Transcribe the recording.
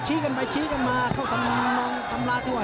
ชี้กันไปชี้กันมาเข้าตำราที่ว่า